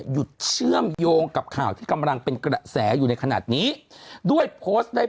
หยุดเชื่อมโยงกับข่าวที่กำลังเป็นกระแสอยู่ในขณะนี้ด้วยโพสต์ได้